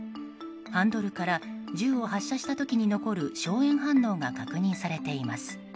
ハンドルから銃を発射した時に残る硝煙反応が確認されています。